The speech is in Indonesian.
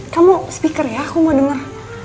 kamu speaker ya aku mau dengar